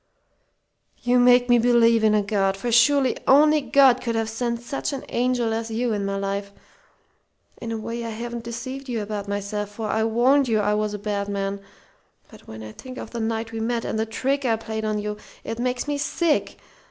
"You make me believe in a God, for surely only God could have sent such an angel as you into my life.... In a way, I haven't deceived you about myself, for I warned you I was a bad man. But when I think of the night we met and the trick I played on you, it makes me sick!